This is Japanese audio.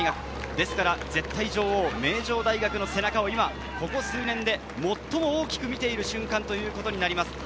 ですから絶対女王・名城大学の背中を今、ここ数年で最も大きく見えている瞬間ということになります。